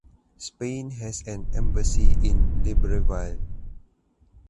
Spain has an embassy in Libreville.